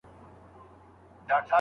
موږ يې کله بخښلو .